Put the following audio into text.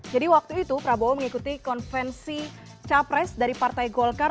jadi waktu itu prabowo mengikuti konvensi capres dari partai golkar